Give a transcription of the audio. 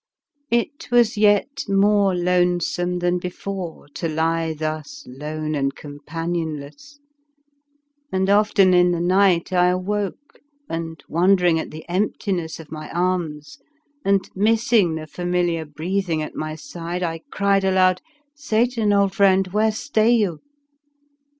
It was yet more lonesome than be fore to lie thus lone and companion less, and often in the night I awoke, and, wondering at the emptiness of my arms and missing the familiar breathing at my side, I cried aloud: 11 Satan, old friend, where stay you?